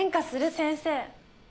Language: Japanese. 先生。